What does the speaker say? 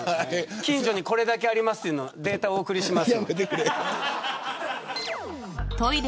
近所にこれだけありますというデータをお送りします。